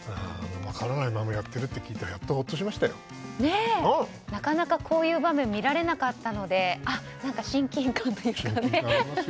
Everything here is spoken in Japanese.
分からないままやってるって聞いてなかなかこういう場面は見られなかったので親近感というかね。